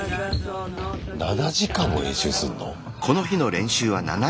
７時間も練習すんの？